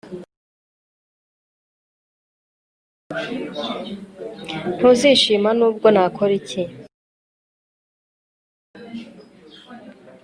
Ntuzishima nubwo nakora iki